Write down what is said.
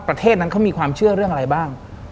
ประเทศนั้นเขามีความเชื่อเรื่องอะไรบ้าง